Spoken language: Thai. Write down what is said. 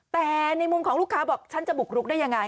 แต่ในมุมของลูกค้าบอกฉันจะบุกรุกได้ยังไง